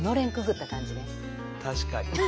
確かに。